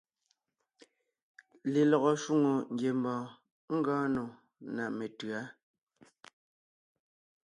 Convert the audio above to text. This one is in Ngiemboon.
Lelɔgɔ shwòŋo ngiembɔɔn ngɔɔn nò ná metʉ̌a.